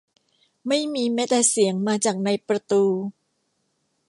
ไม่มีแม้แต่เสียงมาจากในประตู